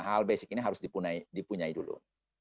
hal basic ini harus dipunyai dulu